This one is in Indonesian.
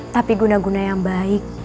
tapi guna guna yang baik